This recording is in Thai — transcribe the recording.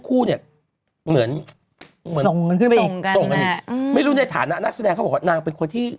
คู่เนี่ยเหมือนส่งกันไม่รู้ในฐาณะนักแสดงนางเป็นคนที่